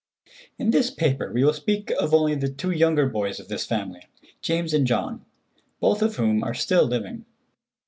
In this paper we will speak of only the two younger boys of this family, James and John, both of whom are still living.